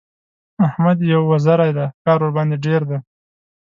احمد يو وزری دی؛ کار ورباندې ډېر دی.